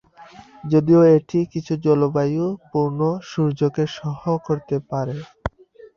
যদিও এটি কিছু জলবায়ুতে পূর্ণ সূর্যকে সহ্য করতে পারে।